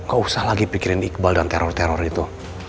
gak usah lagi pikirin iqbal dan teror teror itu